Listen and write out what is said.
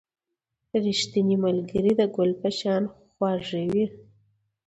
• ریښتینی ملګری د ګل په شان خوږ وي.